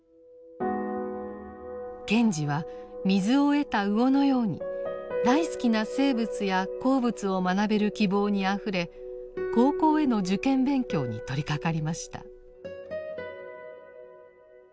賢治は水を得た魚のように大好きな生物や鉱物を学べる希望にあふれ高校への受験勉強に取りかかりました。